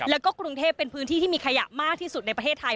แล้วก็กรุงเทพเป็นพื้นที่ที่มีขยะมากที่สุดในประเทศไทย